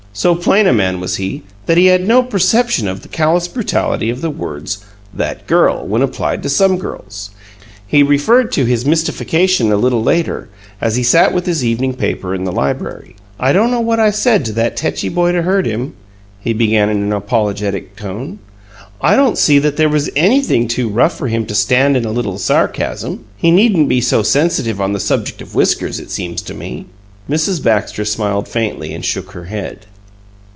So plain a man was he that he had no perception of the callous brutality of the words "THAT GIRL" when applied to some girls. He referred to his mystification a little later, as he sat with his evening paper in the library. "I don't know what I said to that tetchy boy to hurt him," he began in an apologetic tone. "I don't see that there was anything too rough for him to stand in a little sarcasm. He needn't be so sensitive on the subject of whiskers, it seems to me." Mrs. Baxter smiled faintly and shook her head.